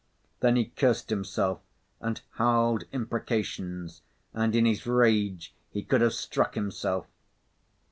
Then he cursed himself, and howled imprecations, and in his rage he could have struck himself.